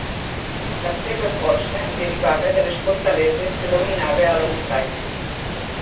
La seva força derivava de les fortaleses que dominava a la muntanya.